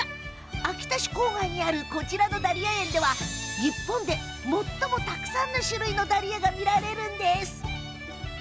秋田市郊外にあるこちらのダリア園では日本で最もたくさんの種類のダリアが見られるんです。